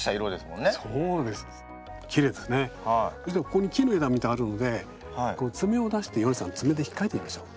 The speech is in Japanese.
ここに木の枝みたいなのがあるのでツメを出してヨネさんツメでひっかいてみましょう。